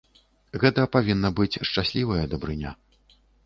Гэта павінна быць шчаслівая дабрыня.